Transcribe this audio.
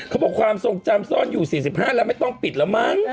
ความทรงจำซ่อนอยู่๔๕แล้วไม่ต้องปิดแล้วมั้ง